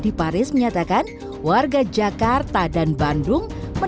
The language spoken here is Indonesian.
dan dari itu menurut mereka minat baca orang indonesia hanya satu yang artinya minat baca orang indonesia hanya satu